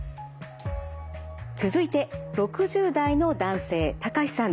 続いて６０代の男性タカシさんです。